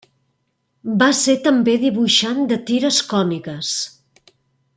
Va ser també dibuixant de tires còmiques.